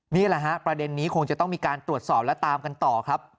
นี่แหละฮะประเด็นนี้คงจะต้องมีการตรวจสอบและตามกันต่อครับ